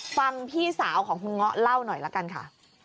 ฟังพี่สาวของคุณเงาะเล่าหน่อยละกันค่ะ